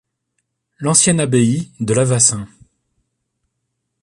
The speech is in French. L'ancienne abbaye de La Vassin.